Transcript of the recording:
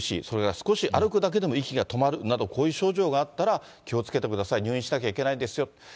それが少し歩くだけでも息が止まるなど、こういう症状があったら、気をつけてください、入院しなきゃいけないですよ。